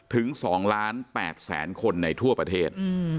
ถึง๒๘ล้านคนในทั่วประเทศ